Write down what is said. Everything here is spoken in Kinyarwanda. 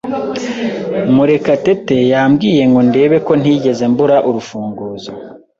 Murekatete yambwiye ngo ndebe ko ntigeze mbura urufunguzo.